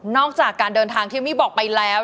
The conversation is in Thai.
นอกจากการเดินทางที่มีบอกไปแล้ว